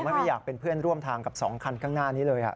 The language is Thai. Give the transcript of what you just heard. ไม่ไม่อยากเป็นเพื่อนร่วมทางกับ๒คันข้างหน้านี้เลย